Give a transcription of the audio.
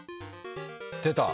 出た。